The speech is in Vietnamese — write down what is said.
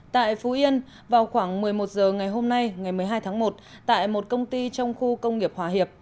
tại phú yên vào khoảng một mươi một h ngày hôm nay ngày một mươi hai tháng một tại một công ty trong khu công nghiệp hòa hiệp